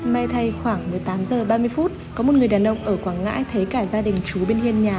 mai thay khoảng một mươi tám h ba mươi có một người đàn ông ở quảng ngãi thấy cả gia đình chú bên hiên nhà